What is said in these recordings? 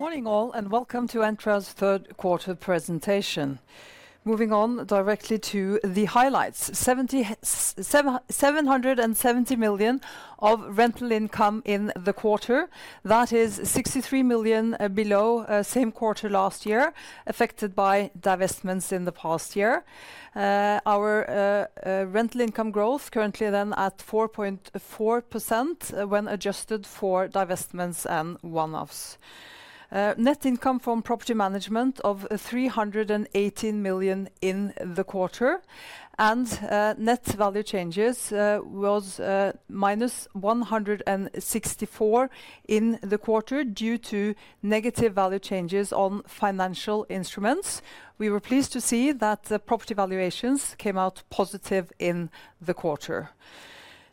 Morning all, and welcome to Entra's Third Quarter Presentation. Moving on directly to the highlights: 770 million of rental income in the quarter. That is 63 million below same quarter last year, affected by divestments in the past year. Our rental income growth currently then at 4.4% when adjusted for divestments and one-offs. Net income from property management of 318 million in the quarter, and net value changes was -164 million in the quarter due to negative value changes on financial instruments. We were pleased to see that the property valuations came out positive in the quarter,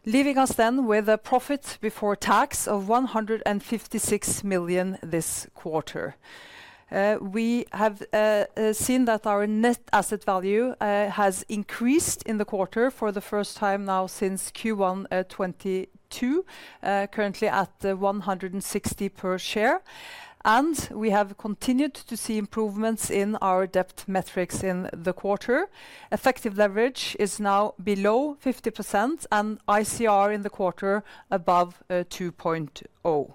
leaving us then with a profit before tax of 156 million this quarter. We have seen that our net asset value has increased in the quarter for the first time now since Q1 2022, currently at 160 per share, and we have continued to see improvements in our debt metrics in the quarter. Effective leverage is now below 50%, and ICR in the quarter above 2.0.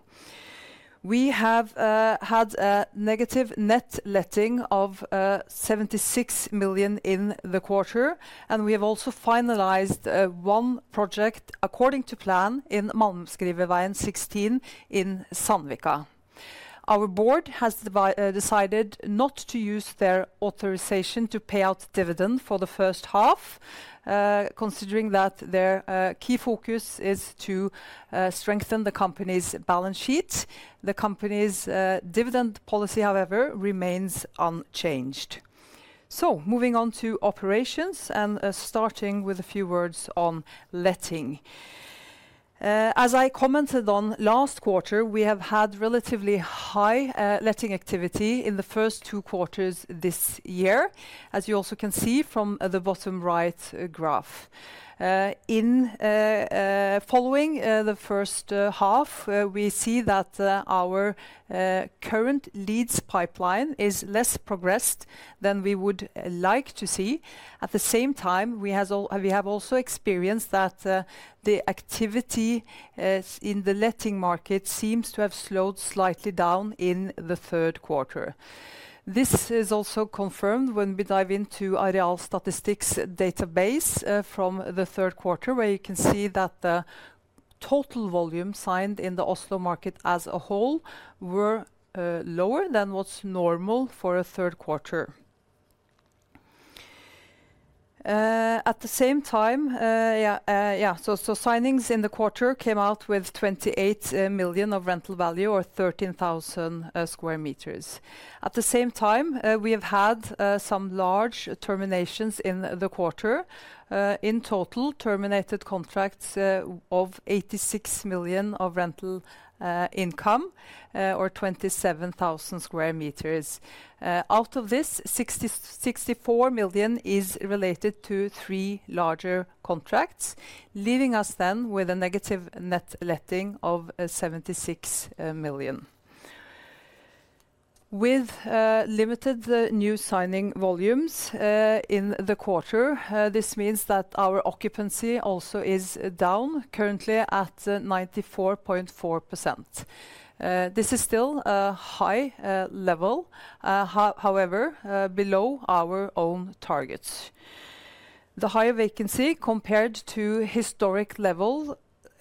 We have had a negative net letting of 76 million in the quarter, and we have also finalized one project according to plan in Malmskriverveien 16 in Sandvika. Our board has decided not to use their authorization to pay out dividend for the first half, considering that their key focus is to strengthen the company's balance sheet. The company's dividend policy, however, remains unchanged, so moving on to operations and starting with a few words on letting. As I commented on last quarter, we have had relatively high letting activity in the first two quarters this year, as you also can see from the bottom right graph. In following the first half, we see that our current leads pipeline is less progressed than we would like to see. At the same time, we have also experienced that the activity in the letting market seems to have slowed slightly down in the third quarter. This is also confirmed when we dive into Arealstatistikk's database from the third quarter, where you can see that the total volume signed in the Oslo market as a whole were lower than what's normal for a third quarter. At the same time, yeah, so signings in the quarter came out with 28 million of rental value or 13,000 sq m. At the same time, we have had some large terminations in the quarter. In total, terminated contracts of 86 million of rental income or 27,000 sq m. Out of this, 64 million is related to three larger contracts, leaving us then with a negative net letting of 76 million. With limited new signing volumes in the quarter, this means that our occupancy also is down currently at 94.4%. This is still a high level, however, below our own targets. The higher vacancy compared to historic level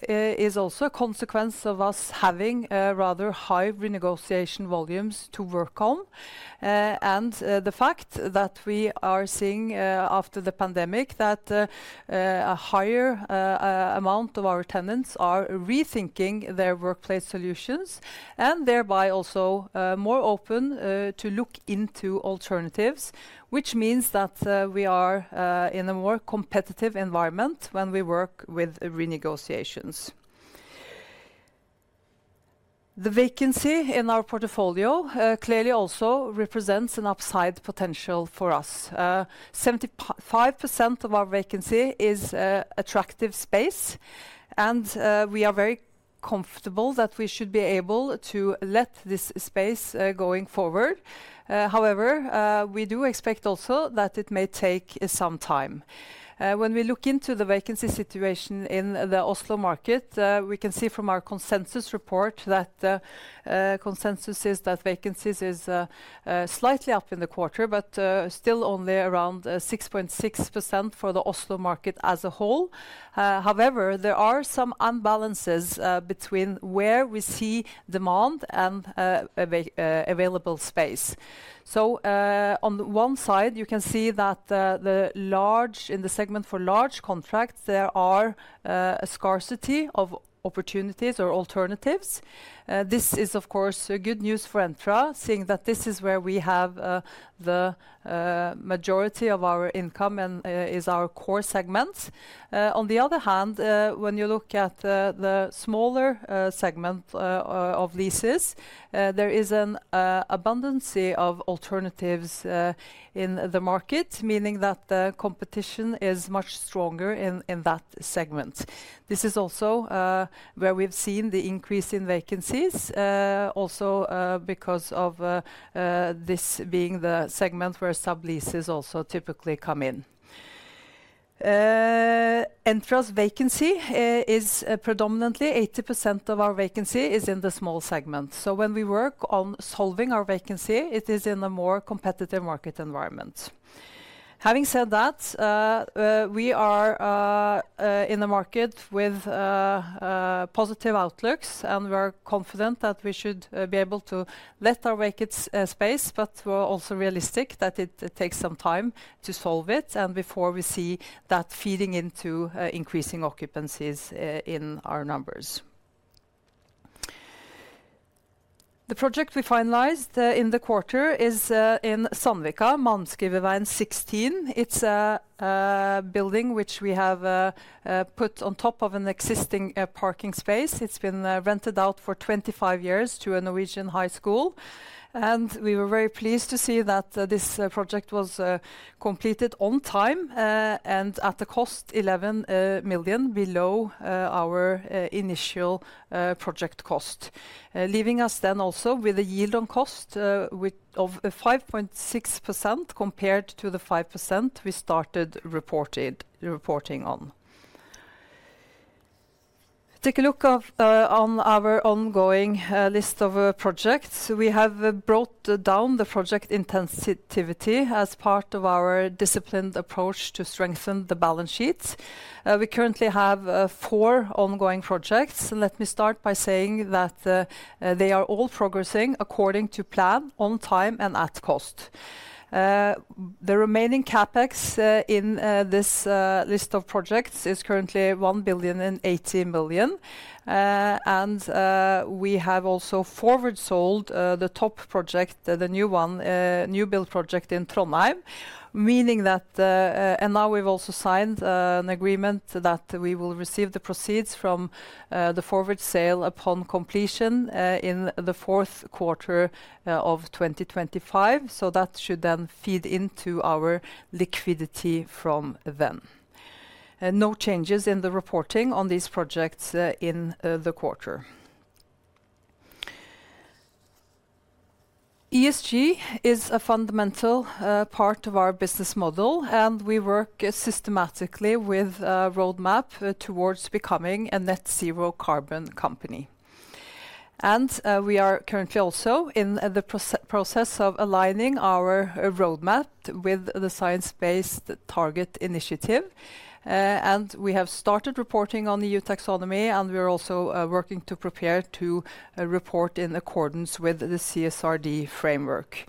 is also a consequence of us having rather high renegotiation volumes to work on, and the fact that we are seeing after the pandemic that a higher amount of our tenants are rethinking their workplace solutions and thereby also more open to look into alternatives, which means that we are in a more competitive environment when we work with renegotiations. The vacancy in our portfolio clearly also represents an upside potential for us. 75% of our vacancy is attractive space, and we are very comfortable that we should be able to let this space going forward. However, we do expect also that it may take some time. When we look into the vacancy situation in the Oslo market, we can see from our consensus report that consensus is that vacancies is slightly up in the quarter, but still only around 6.6% for the Oslo market as a whole. However, there are some imbalances between where we see demand and available space, so on the one side, you can see that in the large segment for large contracts, there are a scarcity of opportunities or alternatives. This is, of course, good news for Entra, seeing that this is where we have the majority of our income and is our core segment. On the other hand, when you look at the smaller segment of leases, there is an abundance of alternatives in the market, meaning that the competition is much stronger in that segment. This is also where we've seen the increase in vacancies, also because of this being the segment where sub-leases also typically come in. Entra's vacancy is predominantly 80% of our vacancy in the small segment. So when we work on solving our vacancy, it is in a more competitive market environment. Having said that, we are in a market with positive outlooks, and we're confident that we should be able to let our vacancy space, but we're also realistic that it takes some time to solve it and before we see that feeding into increasing occupancies in our numbers. The project we finalized in the quarter is in Sandvika, Malmskriverveien 16. It's a building which we have put on top of an existing parking space. It's been rented out for 25 years to a Norwegian high school, and we were very pleased to see that this project was completed on time and at a cost 11 million below our initial project cost, leaving us then also with a yield on cost of 5.6% compared to the 5% we started reporting on. Take a look on our ongoing list of projects. We have brought down the project intensity as part of our disciplined approach to strengthen the balance sheet. We currently have four ongoing projects, and let me start by saying that they are all progressing according to plan on time and at cost. The remaining CapEx in this list of projects is currently 1 billion and 80 million, and we have also forward sold the top project, the new build project in Trondheim, meaning that, and now we've also signed an agreement that we will receive the proceeds from the forward sale upon completion in the fourth quarter of 2025. So that should then feed into our liquidity from then. No changes in the reporting on these projects in the quarter. ESG is a fundamental part of our business model, and we work systematically with a roadmap towards becoming a net zero carbon company, and we are currently also in the process of aligning our roadmap with the Science Based Targets initiative, and we have started reporting on the EU taxonomy, and we are also working to prepare to report in accordance with the CSRD framework.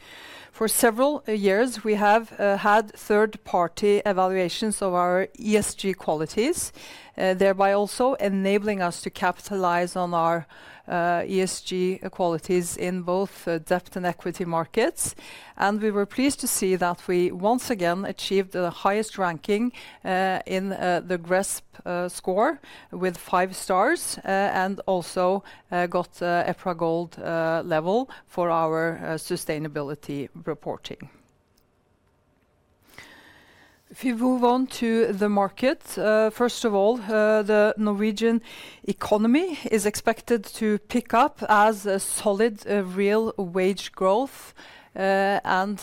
For several years, we have had third-party evaluations of our ESG qualities, thereby also enabling us to capitalize on our ESG qualities in both debt and equity markets, and we were pleased to see that we once again achieved the highest ranking in the GRESB score with five stars and also got an EPRA Gold level for our sustainability reporting. If you move on to the market, first of all, the Norwegian economy is expected to pick up as solid real wage growth, and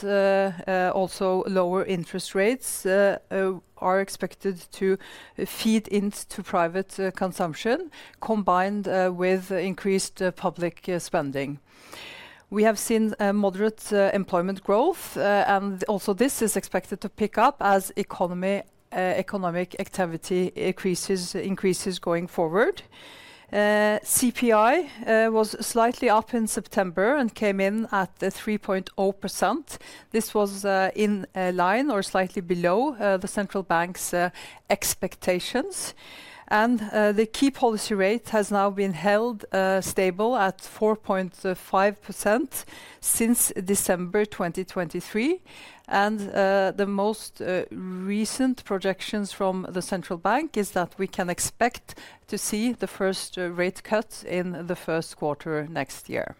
also lower interest rates are expected to feed into private consumption combined with increased public spending. We have seen moderate employment growth, and also this is expected to pick up as economic activity increases going forward. CPI was slightly up in September and came in at 3.0%. This was in line or slightly below the central bank's expectations. The key policy rate has now been held stable at 4.5% since December 2023. The most recent projections from the central bank is that we can expect to see the first rate cuts in the first quarter next year.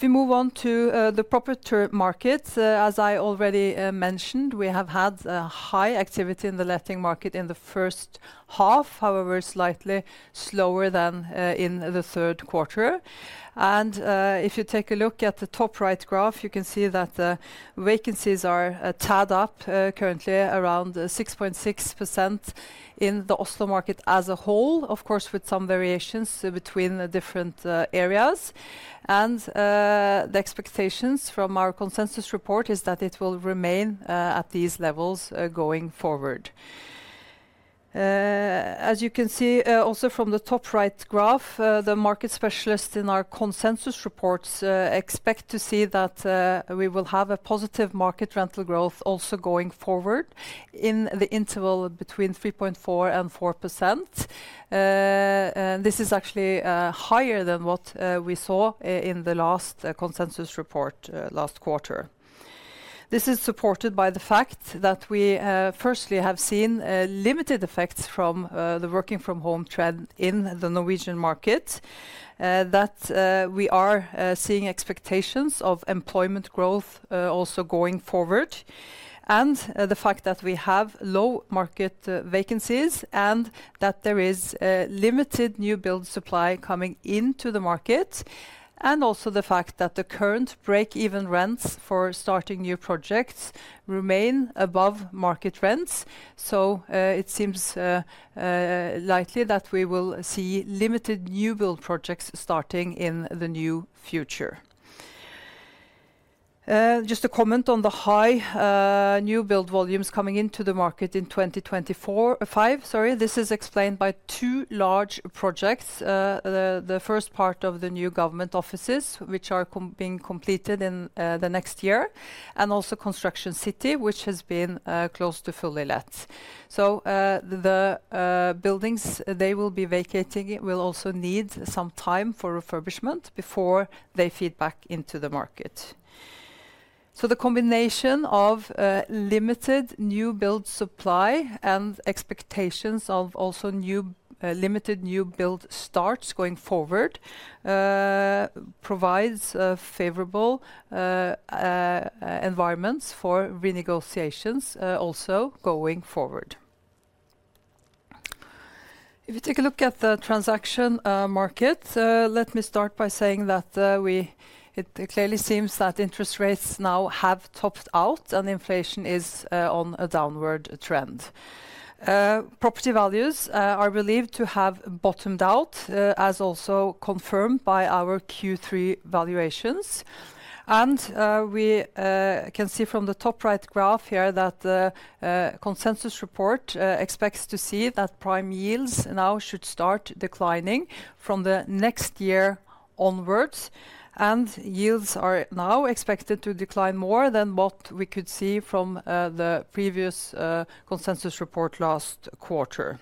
If we move on to the property markets, as I already mentioned, we have had high activity in the letting market in the first half, however, slightly slower than in the third quarter. If you take a look at the top right graph, you can see that the vacancies are tied up currently around 6.6% in the Oslo market as a whole, of course, with some variations between different areas. The expectations from our consensus report is that it will remain at these levels going forward. As you can see also from the top right graph, the market specialists in our consensus reports expect to see that we will have a positive market rental growth also going forward in the interval between 3.4% and 4%. This is actually higher than what we saw in the last consensus report last quarter. This is supported by the fact that we firstly have seen limited effects from the working from home trend in the Norwegian market, that we are seeing expectations of employment growth also going forward, and the fact that we have low market vacancies and that there is limited new build supply coming into the market, and also the fact that the current break-even rents for starting new projects remain above market rents, so it seems likely that we will see limited new build projects starting in the near future. Just a comment on the high new build volumes coming into the market in 2025, sorry, this is explained by two large projects. The first part of the new government offices, which are being completed in the next year, and also Construction City, which has been close to fully let. So the buildings, they will be vacating, will also need some time for refurbishment before they feed back into the market. So the combination of limited new build supply and expectations of also limited new build starts going forward provides favorable environments for renegotiations also going forward. If you take a look at the transaction market, let me start by saying that it clearly seems that interest rates now have topped out and inflation is on a downward trend. Property values are believed to have bottomed out, as also confirmed by our Q3 valuations. We can see from the top right graph here that the consensus report expects to see that prime yields now should start declining from the next year onwards. Yields are now expected to decline more than what we could see from the previous consensus report last quarter.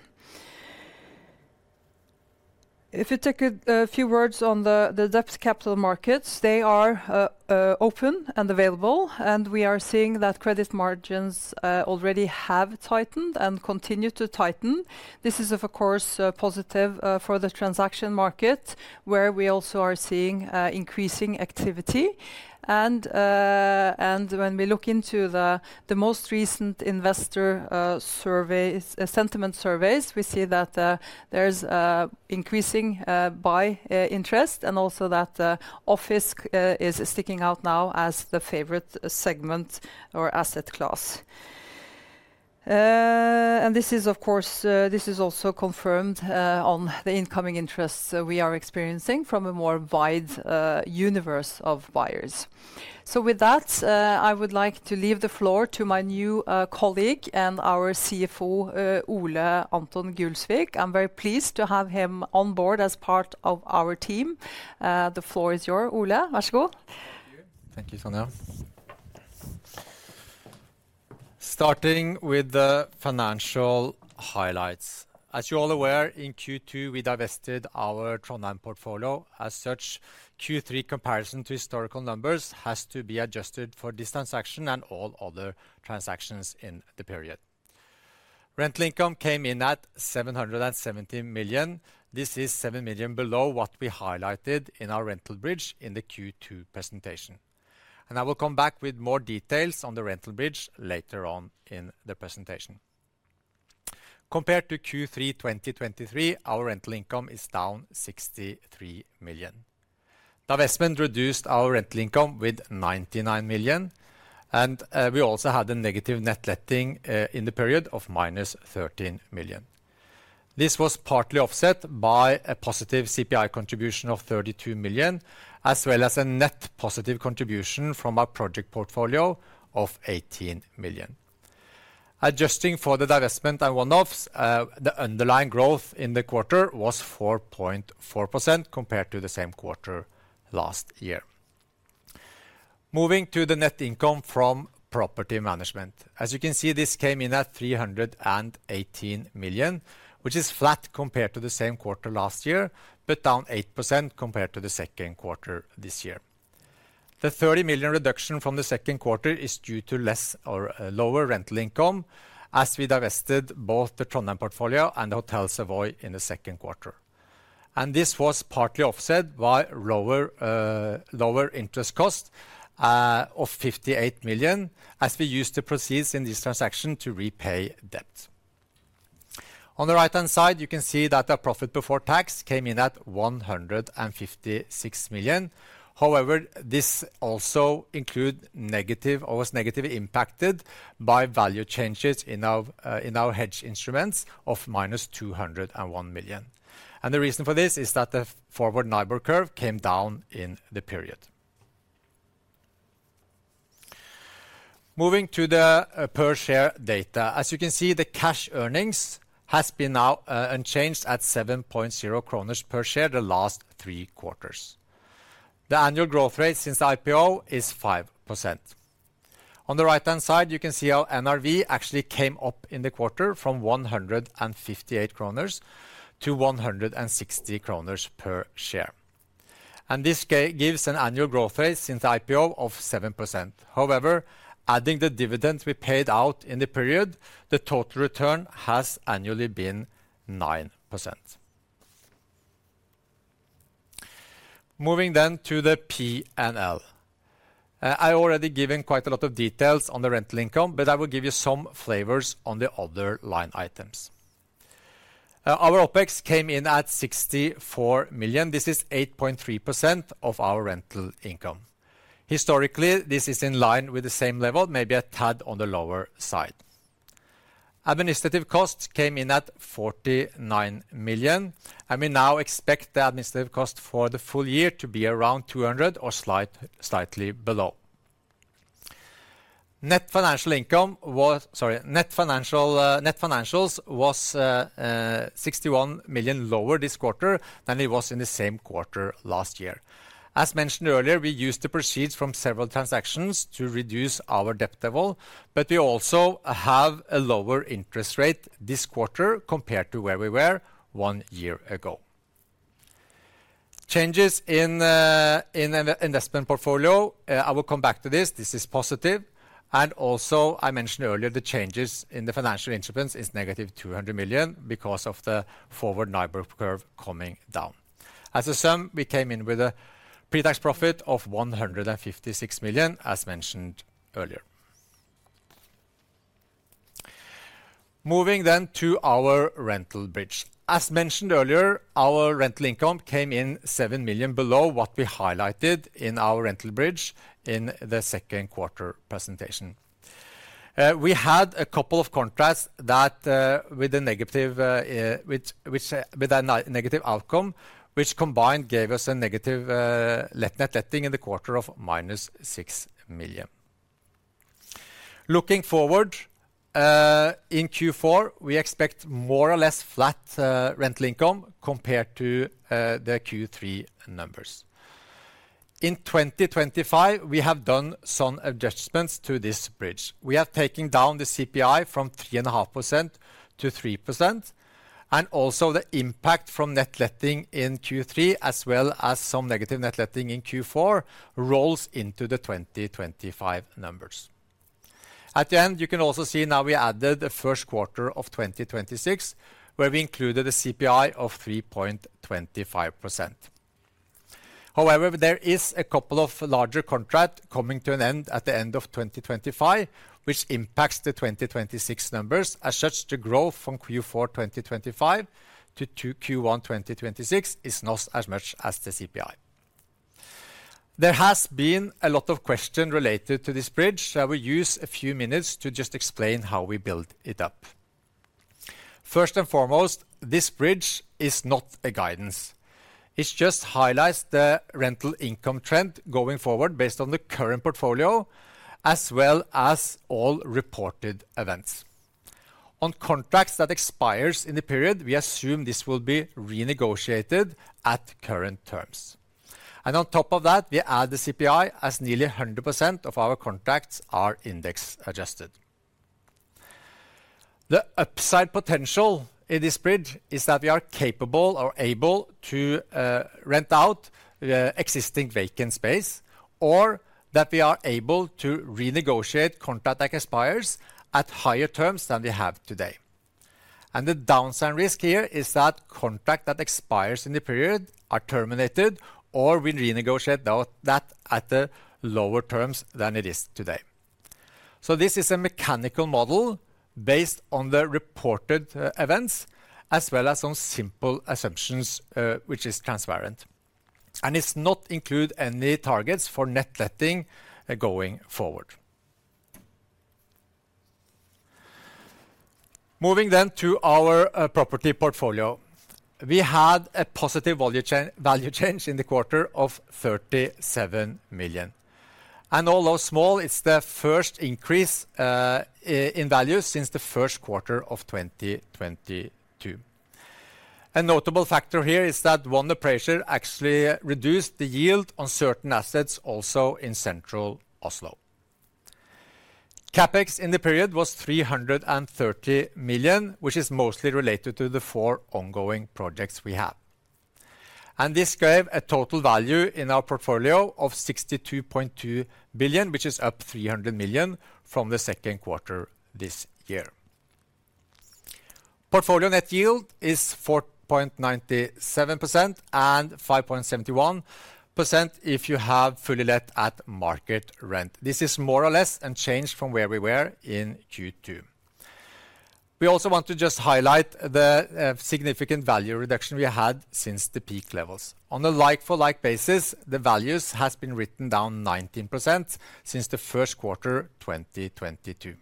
If you take a few words on the debt capital markets, they are open and available, and we are seeing that credit margins already have tightened and continue to tighten. This is, of course, positive for the transaction market, where we also are seeing increasing activity. When we look into the most recent investor sentiment surveys, we see that there's increasing buy interest and also that office is sticking out now as the favorite segment or asset class. This is, of course, this is also confirmed on the incoming interests we are experiencing from a more wide universe of buyers. With that, I would like to leave the floor to my new colleague and our CFO, Ole Anton Gulsvik. I'm very pleased to have him on board as part of our team. The floor is yours, Ole. Vær så god. Thank you, Sonja. Starting with the financial highlights. As you're all aware, in Q2, we divested our Trondheim portfolio. As such, Q3 comparison to historical numbers has to be adjusted for this transaction and all other transactions in the period. Rental income came in at 770 million. This is 7 million below what we highlighted in our rental bridge in the Q2 presentation. I will come back with more details on the rental bridge later on in the presentation. Compared to Q3 2023, our rental income is down 63 million. Divestment reduced our rental income with 99 million, and we also had a negative net letting in the period of -13 million. This was partly offset by a positive CPI contribution of 32 million, as well as a net positive contribution from our project portfolio of 18 million. Adjusting for the divestment and one-offs, the underlying growth in the quarter was 4.4% compared to the same quarter last year. Moving to the net income from property management. As you can see, this came in at 318 million, which is flat compared to the same quarter last year, but down 8% compared to the second quarter this year. The 30 million reduction from the second quarter is due to less or lower rental income, as we divested both the Trondheim portfolio and the Hotel Savoy in the second quarter. This was partly offset by lower interest cost of 58 million, as we used the proceeds in this transaction to repay debt. On the right-hand side, you can see that our profit before tax came in at 156 million. However, this also includes negative or was negatively impacted by value changes in our hedge instruments of -201 million. And the reason for this is that the forward NIBOR curve came down in the period. Moving to the per-share data, as you can see, the cash earnings have been now unchanged at 7.0 kroner per share the last three quarters. The annual growth rate since the IPO is 5%. On the right-hand side, you can see how NRV actually came up in the quarter from 158 kroner to 160 kroner per share. And this gives an annual growth rate since the IPO of 7%. However, adding the dividends we paid out in the period, the total return has annually been 9%. Moving then to the P&L. I already given quite a lot of details on the rental income, but I will give you some flavors on the other line items. Our OPEX came in at 64 million. This is 8.3% of our rental income. Historically, this is in line with the same level, maybe a tad on the lower side. Administrative costs came in at 49 million, and we now expect the administrative cost for the full year to be around 200 million or slightly below. Net financial income was, sorry, net financials was 61 million lower this quarter than it was in the same quarter last year. As mentioned earlier, we used the proceeds from several transactions to reduce our debt level, but we also have a lower interest rate this quarter compared to where we were one year ago. Changes in the investment portfolio, I will come back to this, this is positive. And also, I mentioned earlier, the changes in the financial instruments is negative 200 million because of the forward NIBOR curve coming down. As a sum, we came in with a pre-tax profit of 156 million, as mentioned earlier. Moving then to our rental bridge. As mentioned earlier, our rental income came in 7 million below what we highlighted in our rental bridge in the second quarter presentation. We had a couple of contracts that with a negative outcome, which combined gave us a negative net letting in the quarter of -6 million. Looking forward in Q4, we expect more or less flat rental income compared to the Q3 numbers. In 2025, we have done some adjustments to this bridge. We have taken down the CPI from 3.5% to 3%, and also the impact from net letting in Q3, as well as some negative net letting in Q4, rolls into the 2025 numbers. At the end, you can also see now we added the first quarter of 2026, where we included a CPI of 3.25%. However, there is a couple of larger contracts coming to an end at the end of 2025, which impacts the 2026 numbers, as such the growth from Q4 2025 to Q1 2026 is not as much as the CPI. There has been a lot of questions related to this bridge. I will use a few minutes to just explain how we build it up. First and foremost, this bridge is not a guidance. It just highlights the rental income trend going forward based on the current portfolio, as well as all reported events. On contracts that expire in the period, we assume this will be renegotiated at current terms, and on top of that, we add the CPI as nearly 100% of our contracts are index adjusted. The upside potential in this bridge is that we are capable or able to rent out existing vacant space, or that we are able to renegotiate contract that expires at higher terms than we have today, and the downside risk here is that contract that expires in the period are terminated or we renegotiate that at the lower terms than it is today, so this is a mechanical model based on the reported events, as well as some simple assumptions, which is transparent. It's not included any targets for net letting going forward. Moving then to our property portfolio. We had a positive value change in the quarter of 37 million. Although small, it's the first increase in value since the first quarter of 2022. A notable factor here is that market pressure actually reduced the yield on certain assets also in central Oslo. CapEx in the period was 330 million, which is mostly related to the four ongoing projects we have. This gave a total value in our portfolio of 62.2 billion, which is up 300 million from the second quarter this year. Portfolio net yield is 4.97% and 5.71% if you have fully let at market rent. This is more or less unchanged from where we were in Q2. We also want to just highlight the significant value reduction we had since the peak levels. On a like-for-like basis, the values have been written down 19% since the first quarter 2022.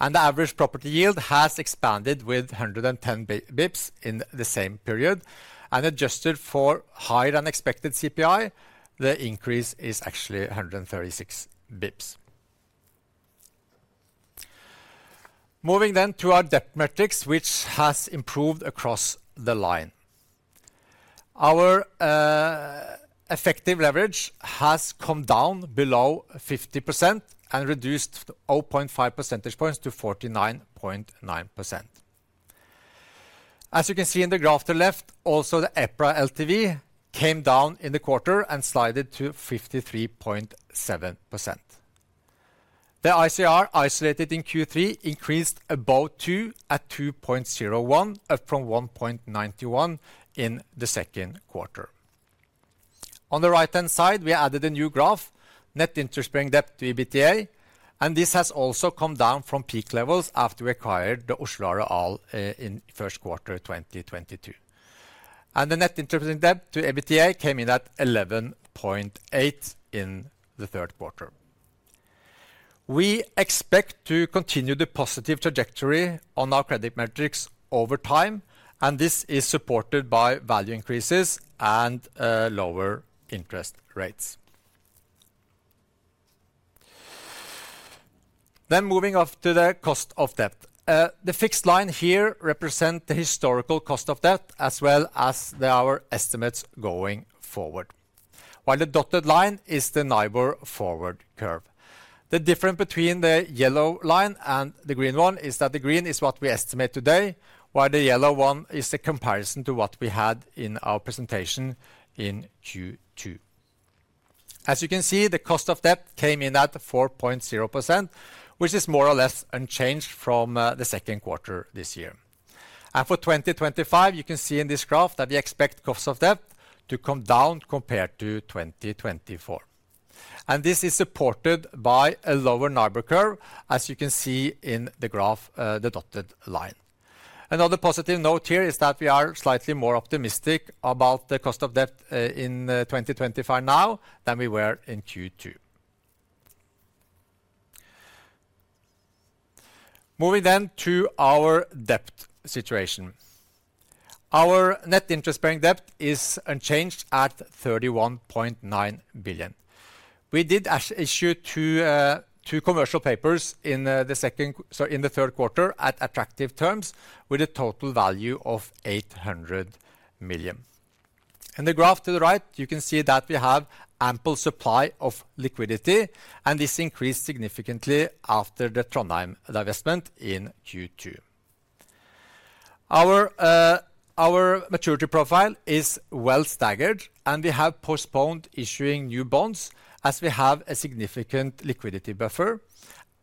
The average property yield has expanded with 110 basis points in the same period. Adjusted for higher than expected CPI, the increase is actually 136 basis points. Moving then to our debt metrics, which has improved across the line. Our effective leverage has come down below 50% and reduced 0.5 percentage points to 49.9%. As you can see in the graph to the left, also the EPRA LTV came down in the quarter and slid to 53.7%. The ICR isolated in Q3 increased above two at 2.01 from 1.91 in the second quarter. On the right-hand side, we added a new graph, net interest-bearing debt to EBITDA, and this has also come down from peak levels after we acquired the Oslo Areal in first quarter 2022. The net interest-bearing debt to EBITDA came in at 11.8 in the third quarter. We expect to continue the positive trajectory on our credit metrics over time, and this is supported by value increases and lower interest rates. Moving off to the cost of debt. The fixed line here represents the historical cost of debt, as well as our estimates going forward. While the dotted line is the NIBOR forward curve. The difference between the yellow line and the green one is that the green is what we estimate today, while the yellow one is a comparison to what we had in our presentation in Q2. As you can see, the cost of debt came in at 4.0%, which is more or less unchanged from the second quarter this year. For 2025, you can see in this graph that we expect cost of debt to come down compared to 2024. This is supported by a lower NIBOR curve, as you can see in the graph, the dotted line. Another positive note here is that we are slightly more optimistic about the cost of debt in 2025 now than we were in Q2. Moving then to our debt situation. Our net interest-bearing debt is unchanged at 31.9 billion. We did issue two commercial papers in the second, sorry, in the third quarter at attractive terms with a total value of 800 million. In the graph to the right, you can see that we have ample supply of liquidity, and this increased significantly after the Trondheim divestment in Q2. Our maturity profile is well staggered, and we have postponed issuing new bonds as we have a significant liquidity buffer,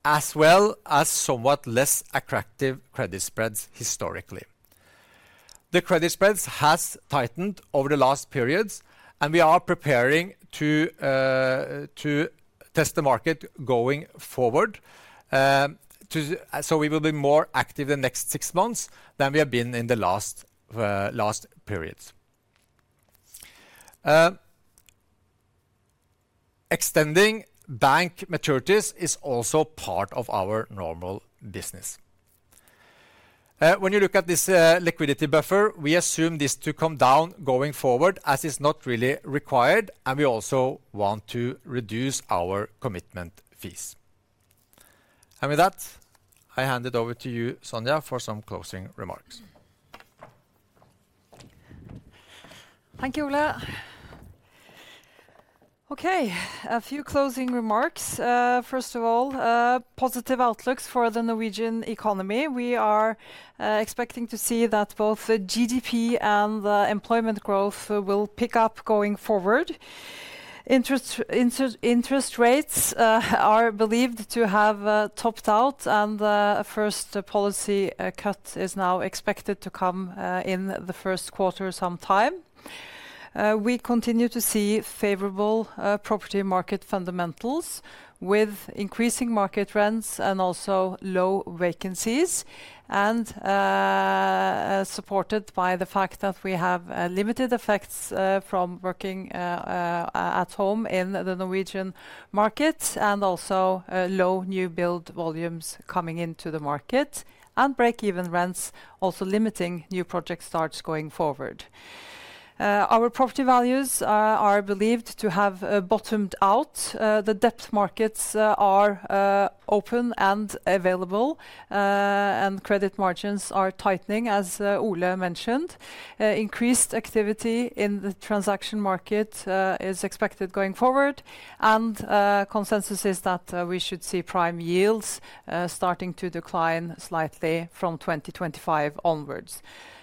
as well as somewhat less attractive credit spreads historically. The credit spreads have tightened over the last periods, and we are preparing to test the market going forward, so we will be more active the next six months than we have been in the last periods. Extending bank maturities is also part of our normal business. When you look at this liquidity buffer, we assume this to come down going forward as it's not really required, and we also want to reduce our commitment fees. And with that, I hand it over to you, Sonja, for some closing remarks. Thank you, Ole. Okay, a few closing remarks. First of all, positive outlooks for the Norwegian economy. We are expecting to see that both the GDP and the employment growth will pick up going forward. Interest rates are believed to have topped out, and a first policy cut is now expected to come in the first quarter sometime. We continue to see favorable property market fundamentals with increasing market rents and also low vacancies, and supported by the fact that we have limited effects from working at home in the Norwegian market, and also low new build volumes coming into the market, and break-even rents also limiting new project starts going forward. Our property values are believed to have bottomed out. The debt markets are open and available, and credit margins are tightening, as Ole mentioned. Increased activity in the transaction market is expected going forward, and consensus is that we should see prime yields starting to decline slightly from 2025 onwards.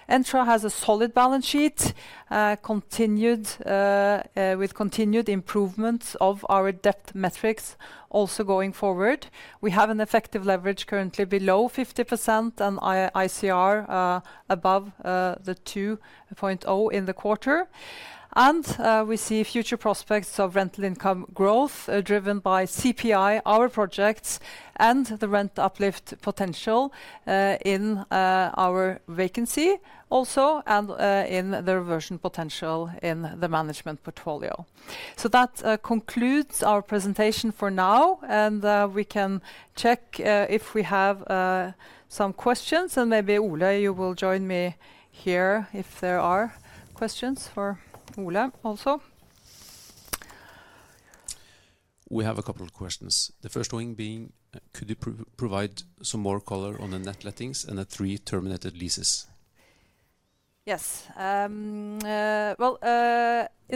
Entra has a solid balance sheet, with continued improvements of our debt metrics also going forward. We have an effective leverage currently below 50% and ICR above the 2.0 in the quarter. We see future prospects of rental income growth driven by CPI, our projects, and the rent uplift potential in our vacancy also, and in the reversion potential in the management portfolio. That concludes our presentation for now, and we can check if we have some questions, and maybe Ole, you will join me here if there are questions for Ole also. We have a couple of questions. The first one being, could you provide some more color on the net lettings and the three terminated leases? Yes. In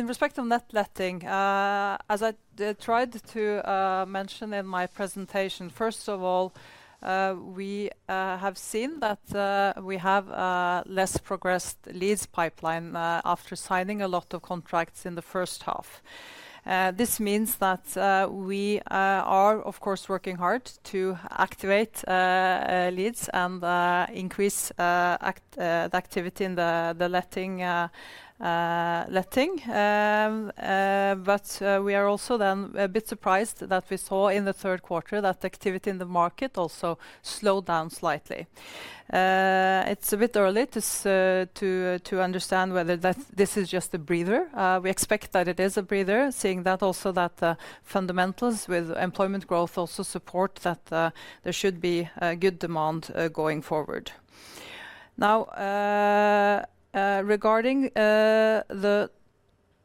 respect of net letting, as I tried to mention in my presentation, first of all, we have seen that we have less progressed leads pipeline after signing a lot of contracts in the first half. This means that we are, of course, working hard to activate leads and increase the activity in the letting. But we are also then a bit surprised that we saw in the third quarter that the activity in the market also slowed down slightly. It's a bit early to understand whether this is just a breather. We expect that it is a breather, seeing that also the fundamentals with employment growth also support that there should be good demand going forward. Now, regarding the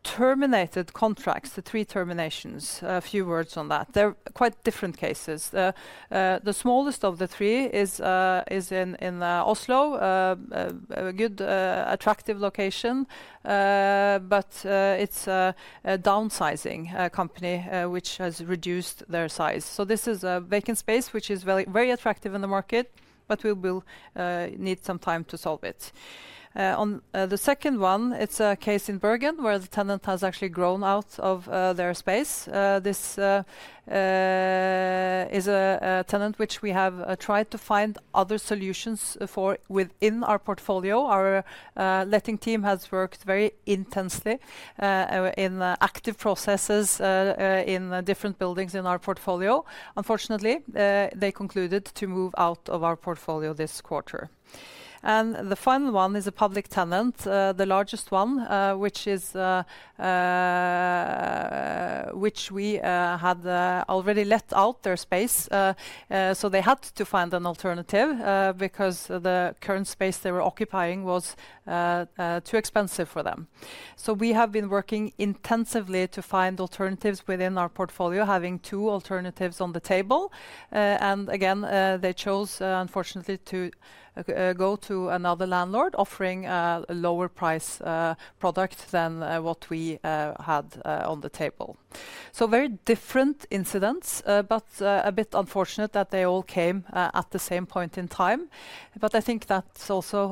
terminated contracts, the three terminations, a few words on that. They're quite different cases. The smallest of the three is in Oslo, a good attractive location, but it's a downsizing company which has reduced their size. So this is a vacant space which is very attractive in the market, but we will need some time to solve it. On the second one, it's a case in Bergen where the tenant has actually grown out of their space. This is a tenant which we have tried to find other solutions for within our portfolio. Our letting team has worked very intensely in active processes in different buildings in our portfolio. Unfortunately, they concluded to move out of our portfolio this quarter. And the final one is a public tenant, the largest one, which we had already let out their space. So they had to find an alternative because the current space they were occupying was too expensive for them. So we have been working intensively to find alternatives within our portfolio, having two alternatives on the table. And again, they chose, unfortunately, to go to another landlord offering a lower price product than what we had on the table. So very different incidents, but a bit unfortunate that they all came at the same point in time. But I think that's also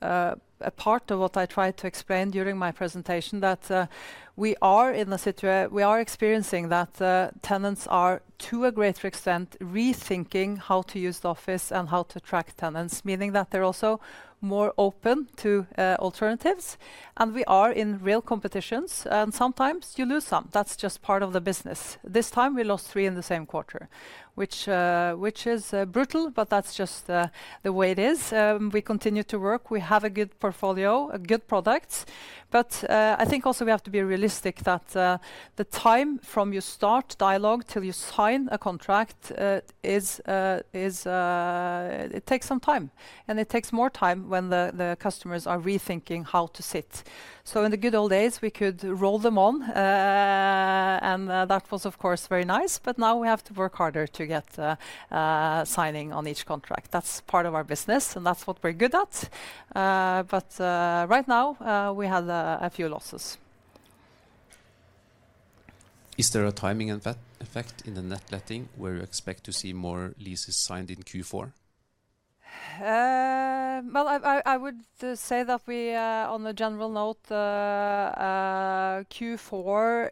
a part of what I tried to explain during my presentation, that we are in a situation we are experiencing that tenants are to a greater extent rethinking how to use the office and how to attract tenants, meaning that they're also more open to alternatives. And we are in real competitions, and sometimes you lose some. That's just part of the business. This time we lost three in the same quarter, which is brutal, but that's just the way it is. We continue to work. We have a good portfolio, a good product. But I think also we have to be realistic that the time from you start dialogue till you sign a contract, it takes some time. And it takes more time when the customers are rethinking how to sit. So in the good old days, we could roll them on, and that was, of course, very nice. But now we have to work harder to get signing on each contract. That's part of our business, and that's what we're good at. But right now, we have a few losses. Is there a timing effect in the net letting where you expect to see more leases signed in Q4? Well, I would say that we, on a general note, Q4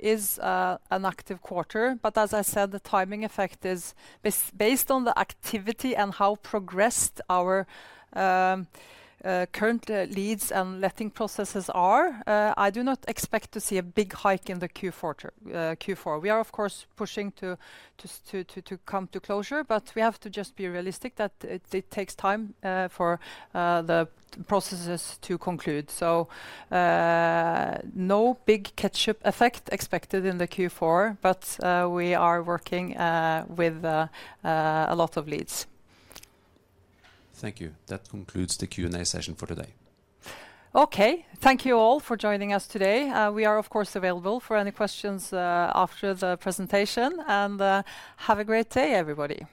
is an active quarter. But as I said, the timing effect is based on the activity and how progressed our current leads and letting processes are. I do not expect to see a big hike in the Q4. We are, of course, pushing to come to closure, but we have to just be realistic that it takes time for the processes to conclude. So no big catch-up effect expected in the Q4, but we are working with a lot of leads. Thank you. That concludes the Q&A session for today. Okay. Thank you all for joining us today. We are, of course, available for any questions after the presentation, and have a great day, everybody.